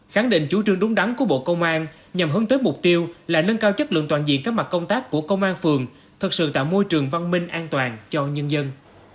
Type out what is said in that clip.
khẳng định chủ trương đúng đắn của bộ công an nhằm hướng tới mục tiêu là nâng cao chất lượng toàn diện các mặt công tác của công an phường thực sự tạo môi trường văn minh an toàn cho nhân dân